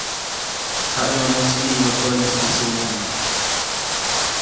Jayʼonäʼtsi niʼibä päʼnis teʼ säʼŋomo.